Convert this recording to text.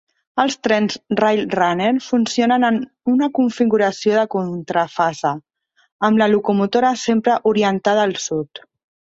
Els trens Rail Runner funcionen en una configuració de contrafase, amb la locomotora sempre orientada al sud.